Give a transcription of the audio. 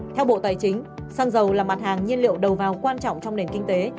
theo bộ tài chính xăng dầu là mặt hàng nhiên liệu đầu vào quan trọng trong nền kinh tế